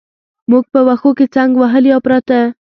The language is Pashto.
موږ په وښو کې څنګ وهلي او پراته.